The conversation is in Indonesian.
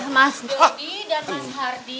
mas jody dan bang hardi